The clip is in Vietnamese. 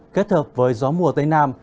kết hợp với gió mùa tây nam